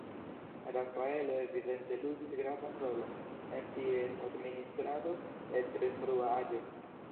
Rafaelo evidente ludis gravan rolon en ties administrado el tre frua aĝo.